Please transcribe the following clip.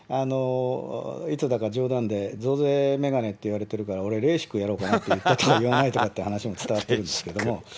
いつだか冗談で、増税めがねっていわれてるから、俺、レーシックやろうかなって言ったとか言わないって話も聞こえてくるんですけど。